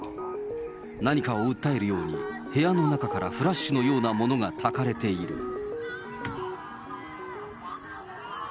何かを訴えるように、部屋の中からフラッシュのようなものがたかれている。